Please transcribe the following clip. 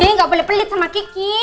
ini nggak boleh pelit sama kiki